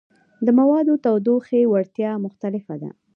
د موادو تودوخې وړتیا مختلفه ده.